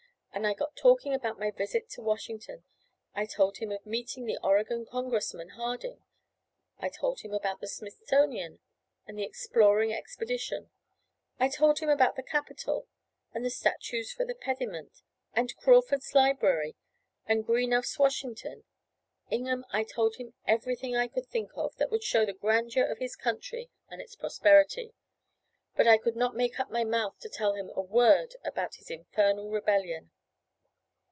Then I got talking about my visit to Washington. I told him of meeting the Oregon Congressman, Harding; I told him about the Smithsonian, and the Exploring Expedition; I told him about the Capitol and the statues for the pediment, and Crawford's Liberty, and Greenough's Washington: Ingham, I told him everything I could think of that would show the grandeur of his country and its prosperity; but I could not make up my mouth to tell him a word about this infernal rebellion!